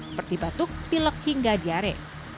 seperti batuk pilek hingga diare